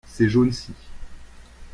ces jaunes-ci.